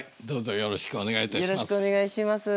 よろしくお願いします。